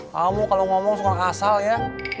kamu kalau ngomong suka asal ya